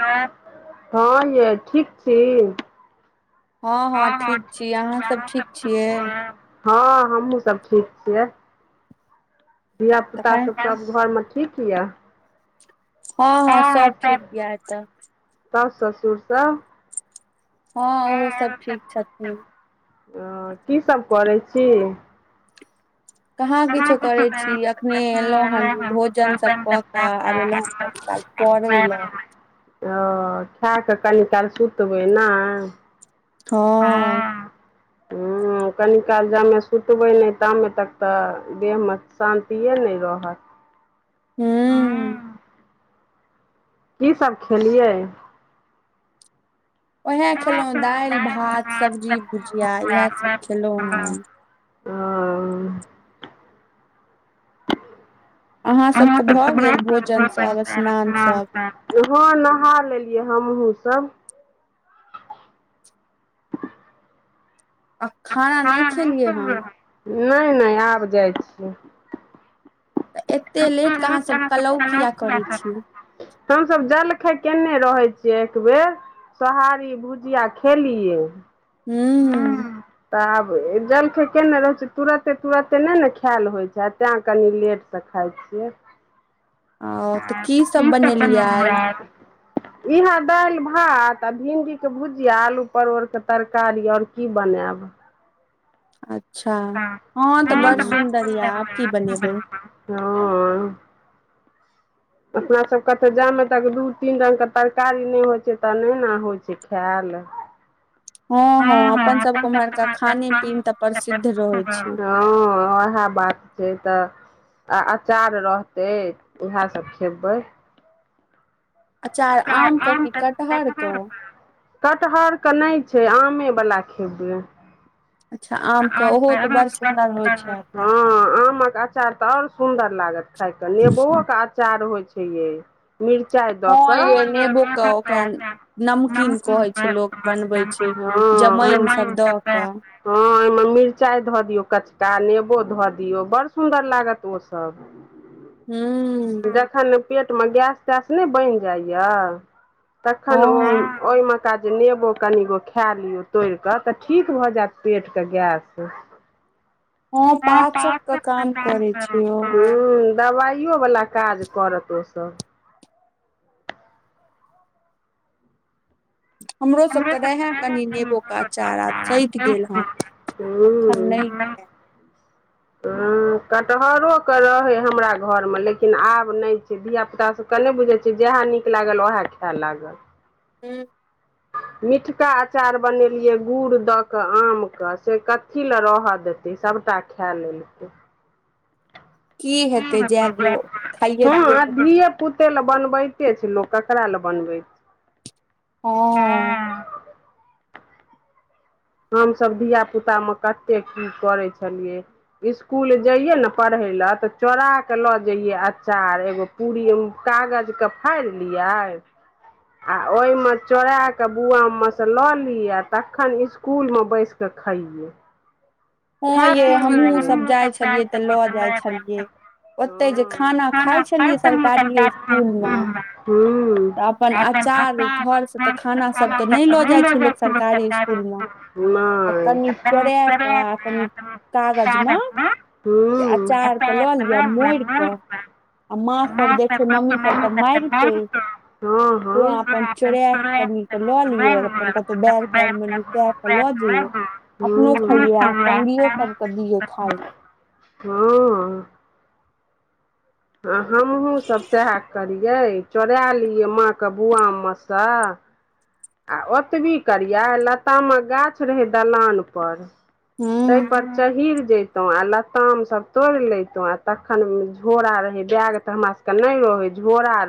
हँ य ठीक छी हँ हँ हमहुँ सब ठीक छियै धियापुतासभ सभ घरमे ठीक यए हँ हँ सब ठीक य एतऽ तस स सुर् हँ ओहो सब ठीक छथिन है की सब करै छी कहाँ किछो करै छी अख अखने एलहुँ हन भोजन सब क क आब एलहु हेन काल पै लए आ खा क कनि तर सुतबै ने हँ कनी काल जामे सुतबै नहि तामे तक तऽ देहमे शान्तिए नहि रहत हूँ की सब खेलियै उएहे खेलौ दालि भात सब्जी भुजिया इएह सब खेलौ हन अहाँ सब तऽ भरपूर भोजन स स्नान स हँ नहा लेलियै हमहुँ सब नहि नहि आब जाइ छीय त एते लेट के अहाँसभ कलाउ किया करै छीय हमसभ जल खाय केने रहै छियै एक बेेर सोहारी भुजिया खेलियै हू तऽ आब जल केने रहैत छै तुरते तुरते नहि ने खायल होइत छै तैं कनि लेट त खाइ छियै ओ तऽ की सब बनेलियै इहा दालि भात आ भिंडी के भुजिया आलू परोर के तरकारी आओर की बनायब अच्छा हँ तऽ बड़ सुन्दर यऽ आब की बनेबै ह अपनासभके तऽ जामे तक दू तीन रङ्गके तरकारी नहि होइत छै तऽ नहि ने होइत छै खायल हँ हँ अपन सब के उम्हरका खाने पीन तऽ प्रसिद्ध रहै छै हँ ओएह बात छै तऽ आ अचार रहतै ओएह सब खेबै अचार आम के की कटहर के कटहरके नहि छै आमेवला खेबै अच्छा आमके ओहो तऽ बड़ सुन्दर होइ छै अच्छा अचार तऽ आओर सुन्दर लागत खायके नेबोओ के अचार होइ छै ये मिरचाइ दऽ क नमकीन त [unintelligible] हँ ओमे मिरचाइ धऽ दियौ कचका नेबो धऽ दियौ बड़ सुन्दर लागत ओसभ ह [unintelligible] जखन पेटमे गैस तैस नहि बनि जाइए तखन ओ ओहिमेका जे नेबो कनिगो खा लियौ तोड़ कऽ तऽ ठीक भऽ जायत पेट के गैस हँ पाचक के काम करै छियौ दबाइयो वला काज करत ओसभ हमरो सभके रहे कनि नेबोके अचार आब सठि गेल हेन हू ह कटहरोके रहै हमरा घरमे लेकिन आब नहि धियापुता सबके नहि बुझै छियै जएह नीक लागल ओएह खाय लागल ह मिटका अचार बनेलियै गुड़ दऽ कऽ आमके से कथी लए रहऽ देतै सभटा खा लेलकै ह ह [unintelligible] कुते लए बनबिते छै लोक ककरा लए बनबैत ह हमसभ धियापुतामे कतेक की करै छलियै इसकुल जैयै ने पढ़य लए तऽ चोरा कऽ लऽ जइयै अचार एगो पूरी कागज के फाड़ लियै आ ओहिमे चोर कऽ बुआमे सँ लऽ ली आ तखन कुल मे बैस कऽ खाइयै हँ ये हमहुँ सब जाइ छलियै तऽ लऽ जाइ छलियै ओतहि जे खाना खाइ छलियै सरकारीए इसकुलमे तऽ अपन अचार घर से तऽ खाना सब तऽ नहि लो जाइ छै लोक सरकारी इसकुल मे त कनि चोराक कनि कागज मे से अचार के लऽ लिअ मोड़िकऽ आ माँ सब देखे मम्मी सब तऽ मारिते तै अपन चोरा कन के लऽ लिये अपन कत बैग तैग मे न क के लऽ जइये अपनो खले स सबके दिये खाइ हं हँ हमहुसभ सएह करियै चोरा लियै माँके बौआमेसँ आ ओतबी करिया लतामक गाछ रहे दलान पर ताहि परचा हीर जत हुँ आ लताम सभ तोड़ि लैतहुँ आ तखन झोरा रहै बैग त हमरा त नहि रह है झोरा आ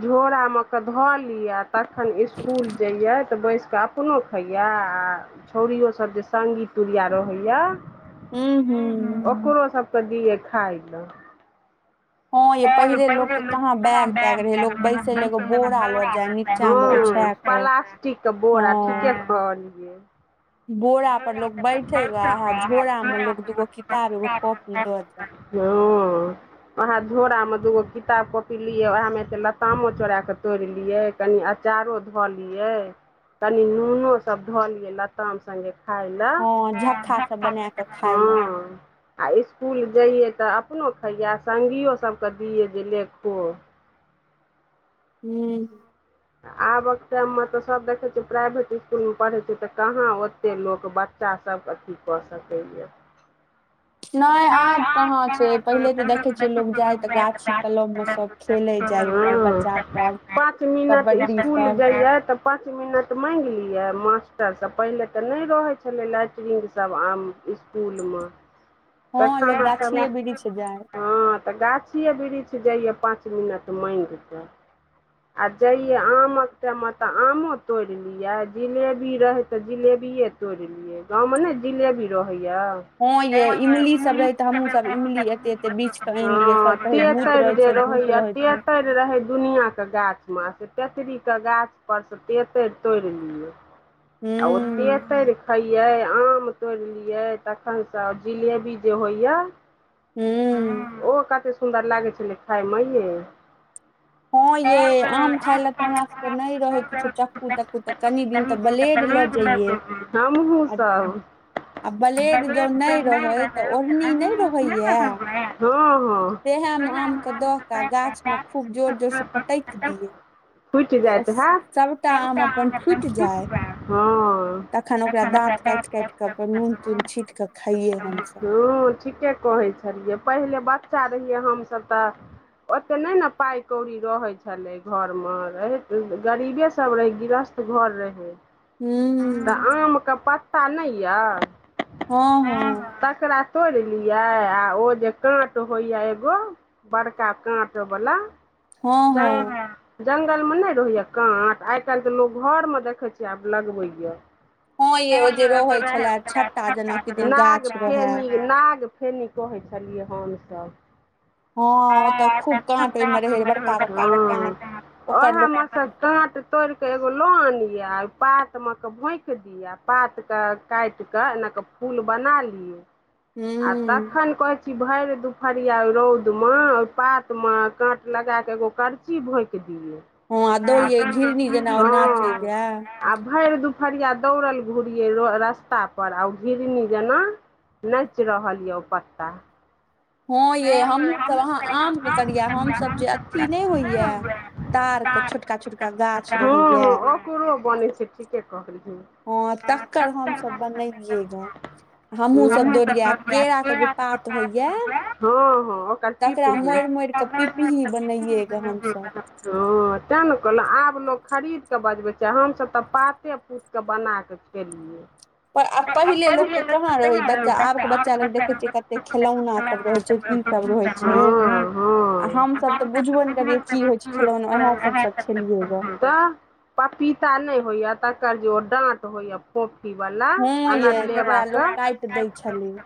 झोरा मे के धऽ लिय तखन स्कूल जइय तऽ बैस कऽ अपनो खइया आ छौरियोसभ जे संगी तुुरिया रहैया ओकरो सबके दिये खााय ल हं पहिले लोकके कहाँ बैग तैग रहै लोक बैसै लए एगो बोरा लऽ जाय नीचा मे ओछा क ठीके बोरा ठीके कहलिय बोरा पर लोग बैठेग आहा झोरा में लोग दूगो किताब एगो कॉपी लऽ जा हं वहाँ झोरा में दूगो किताब कॉपी लि उहा मे से लतामो चोड़ के तोड़ लिय कनी अचारो धऽ लियै कनी नूनो सब धऽ लियै लताम संगे ह आ इसकुल जइयै तऽ अपनो खैया संगीयो सबके दियै जे लेखो हूँ आबक टाइममे तऽ सभ देखैत छियै प्राइभेट इस्कुलमे पढ़ैत छै तऽ कहाँ ओतेक लोक बच्च बच्चासब अथी कऽ सकैए नहि आब कहाँ छै पहिले तऽ देखे छियै लोग जाय त गाछी कलम में सब खेलै जाय खूब बच्चा सब कबड्डी सब पाँच मिनट माँगि लियै मास्टरसभ पहिले तऽ नहि रहै छलै लैट्रिनसब आब पूर्णमा हँ लोक गाछिए बीरी छै जाए हँ तऽ गाछि वृक्ष जइया पाँच मिनट माँगिक आ जइयै आमक टाइम तऽ आमो तोड़ लियै जिलेबी रहय तऽ जिलेबिए तोड़ि लियै गाँवमे ने जिलेबी रहैया हँं ये इमली सब रहे ते हमहूँ सब इमली एते एते बिछ के एन लियै सब कहे भूत रहे छै भूत रह [unintelligible] रहै दुनियाके के गाछ मे से पेचरी के गाछ पर से पेसर तोड़ि लिय आ ओतनी ऐसा ह देख िय आम तोड़ लियै तखनसँ जिलेबी जे होइया हू ह ओ कते सुन्दर लागै छलै खाायमे ये हँं ये आम खाय ले ते हमरा सब के नहि रहे किछो चक्कू तक्कू त कनी दिन ते ब्लेड लो हमूँ सब बेदरे से नै रहै अहाँ किया नै रहऔ सएहमे आमके दऽ कऽ गाछ मे खूब जोर जोर से पटकि दियै फटि जायत हँ तऽ सुबै ह अखन एकरा ठीके कहै छै पहिले बच्चा रहियै हमस तऽ ओते नहि ने पाइ कौड़ी रहैत छलै घरमे रह गरीबे सभ रहै गृहस्थ घर रहै तऽ आमके पत्ता नहि यए तकर तोड़ लिये आ ओ जे काट होयया एगो बड़का काट बला जा हँ जंगल मे नहि रहैया काँट आइ काल्हि तऽ लोग घर मे देखे छ आब लगबै या नाग फेणि नाग फेणि फेणि कहै छलियै हमसभ हँ ओ तऽ खूब काट ओहिमे रहै ओहिमे काट तोड़ के एगो लऽ आनिए आ आओहि पात मे कऽ भोंक दिय पात के काटि कऽ एना के फूल बना लियै हूँ तखन कहै छी भरि दुपहरिया रौद मे ओहि पात मे काँट लगाक एगो करची भोक दियै हँ आ दैए घिड़नी जेना ओ नाचए आ भैर दुपहरिया दौड़ल घुरये रस्ता पर ओ घिरनी जेना नाचि रहल यऽ ओ पत्ता हँ यै हमहूँसभ अहाँ आमके करियै हमसभ जे अ ई नहि होइया तार के छोटका छोटका गाछ रहैया ओकरो बनै छै ठीके कहलि यै हँ तकर हमस बनेलियै ग हँ हँ की कहु, तकरा सभकेँ मोड़ि मोड़ि क तितली बनेलिए य हँ तें ने कहलहुं आब लो खरीद के बजबै छै हमसभ तऽ पाते पुत के बना कऽ केलिए पहिले लोक कहाँ रहै बच्चा आब के बच्चा लग देखे छै कते खेलौना सब रहै छै की सब रह छै आ हम सब त बुझबे नहि कयलु बुझबो नहि करियै की होइ छै खेलौना उएह सबसँ खेलियै गऽ हँ पपीता नहि होइय त कर जेँ दांत होइय कॉफी बला अनर लेबाक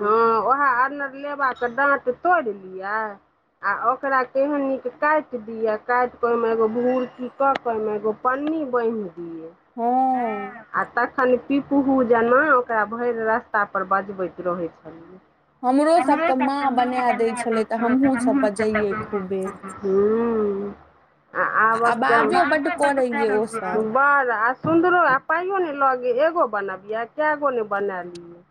हँ ओएह अरनर लेबाके डाट तोड़ लियै आ ओकरा केहन नीक काट दिअ काटिकऽ ओहिमे एगो भूरकी कऽ कऽ ओहिमे एगो पन्नी बान्हि आ तखन पिपहु जेना ओकरा भैर रास्ता पर बजबैत रहै छलियै हमरे सभ क माय डेगां दैत छलैक तँ हमहु सभ तेँ जेबै करतुह हु आब बाजबे बड़ करैय बड़ आ सुन्दरो आ पाइयो ने लगे एगो बनाबिये कतेको ने बना लियै हूँ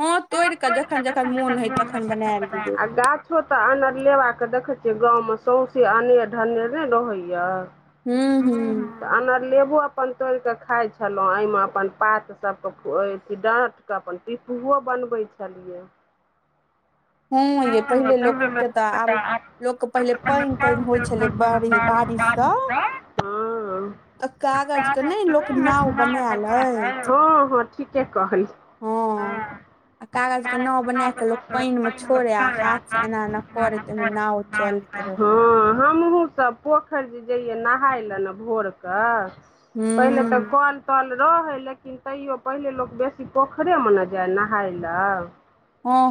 हँ तोड़ कऽ जखन जखन मोन हय तखन बनाय लेलिय छोटा अनर लेबाके देखै छियै गाँवमे सौंसे अनेर धनेर नहि रहैया हू हूँ तँ अनरलेबो अपन तोड़िकऽ खाई छलहुँ एहिमे अपन पात सबके दांतकेँ अपन पिसओ बनबैत छलहु चलियै हँ यै पहिले लोकके तऽ आब लोकके पहिले पानि तानि होइ छलै बारि बारिशसँ आ कागज के ने लोक नाव बनाय लैऽ ठीके कहलि हु कहादुन खाना बनाक पानि म चलि आयब हँ हमहूँसभ पोखरि जे जैयै नहाय लए ने भोरके पहिले तऽ कल कल रहै लेकिन तैयो पहिले लोक बेसी पोखरे मे ने जाय नहााय लए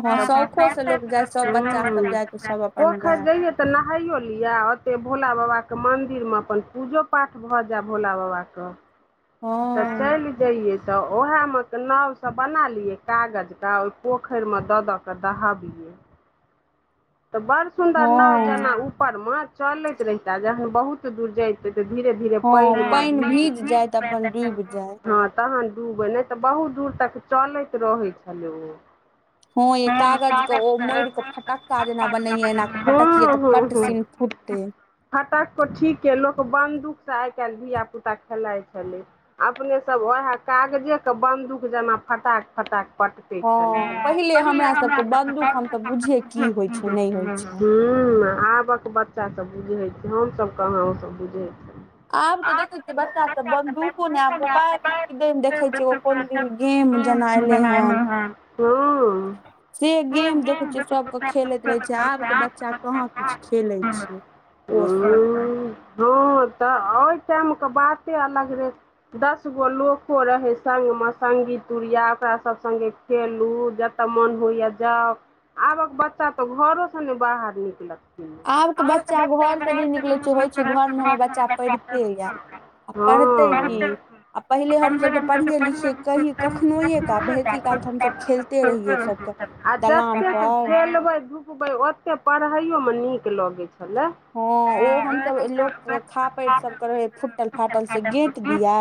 हु हु सौसे सँ लोग जाय बच्चा सभ क लऽ क नहाय लऽ तऽ नहाइयो लिअ ओते भोला बाबाक के मंदिर मे अपन पूजो पाठ भए जाय भोला बाबा के त त चैल [unintelligible] ज तऽ ओहे मे के नाव सब बना लिय कागज के ओ पोखरि मे द कत बीए [unintelligible] तऽ बड़ सुंन्दर नाव जेना ऊपर मे चलैत रहिता जहन बहुत दूर जाै तऽ धीरे धीरे पैन नहि पैन भिग [unintelligible] तहन डूबै नहि तऽ बहुत दूर तक चलैत रहै छलै ओ हँ कागज के ओ मोड़ क फेक टक्का जेना बनैये एना क पटकिये तऽ पटसिन फूटते फटक कऽ ठीके लोक बन्दूखसँ आइ काल्हि धियापुता खेलाइत छलै अपने सब ओएहे कागजेके बन्दूक जना फटाक फटाक भ हमरा सब त सब [unintelligible] ह आबक बच्चा सब बुझैत छै हमसभ कहाँ ओसभ बुझैत छै आब तऽ देखै छियै बच्चा सब बंन्दूको ने आब मोबाइल मे फिल्म देखै छियै कोन दिन गेम जना एले हन से गेम देखे छअछि सब खेलैत रहै छै जे आबके बच्चा कहाँ किछु खेलै छै ओ सब हु हँ तऽ ओहि टाइम के बाते अलग रे दस गो लोको रहै सङ्गमे सङ्गी तुुरिया ओकरा सभ सङ्गे खेलु जतऽ मन होइया जाउ आबक बच्चा तऽ घरो से ने बाहर निकलत आबके बच्चा घर त नहि निकलैत छै होइ छै घरमे हमर बच्चा पढ़िते यए पड़तै की आ पहिले हमसभ तऽ पढ़ियए लिखिय कहि कखनोहुए काल आ बेसी काल तऽ हमसभ खेलते रहियै सभके दलान प देखबै धुपबै ओते पढ़ैयो मे नीक लगै छलए हँ ओ हमसभ लोकके खापड़ सब कर रह फूटल फाटल से गेंट दिया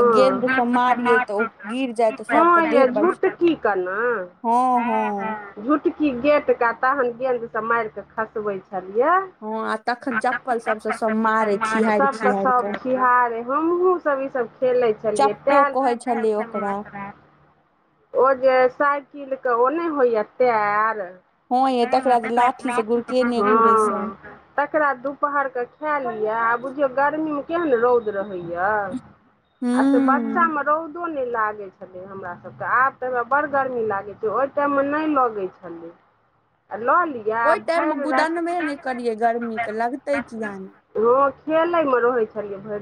आ गेदसँ मारियै तऽ ओ गिर जाय तऽ सभके देह पर हँ हँ झुटकी गेंट के तहन गेद से मार के खसबै छलियै सब सब खिहार हमहु [unintelligible] सब ई सब खेले छलियै टा रह रह [unintelligible] ओ जे साइकिल के ओने होइया टेयर ह तकरा दुपहर के खाय लेलिये आ बुझियो गर्मी मे केहन रौद बच्चा मे रौदो लागे हमरा सबके आब तऽ बड़ गर्मी लागैत छै ओहि टाइमे नहि लगैत छलै हेलो ओहि टाइम मे गुदनबे नहि करियै गरमी के लगतै किया नहि खेले मे रहे छलियै भरि दिन